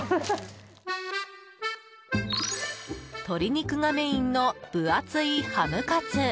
鶏肉がメインの分厚いハムカツ。